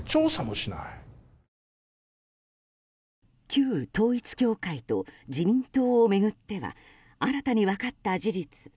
旧統一教会と自民党を巡っては新たに分かった事実